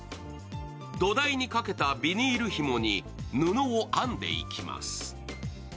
土台にかけたビニールひもに布を編んでいきます。